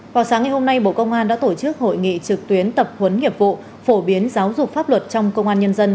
vào sáng ngày hôm nay bộ công an đã tổ chức hội nghị trực tuyến tập huấn nghiệp vụ phổ biến giáo dục pháp luật trong công an nhân dân